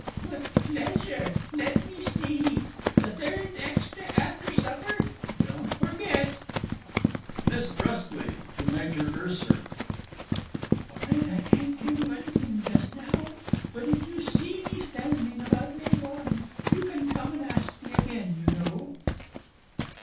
With pleasure let me see, the third extra after supper? Don't forget. MISS BRUSKLEIGH (to Major Erser). Afraid I can't give you anything just now but if you see me standing about later on, you can come and ask me again, you know.